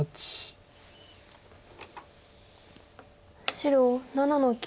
白７の九。